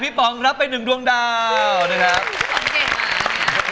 พี่ป๋องรับไปหนึ่งดวงดาว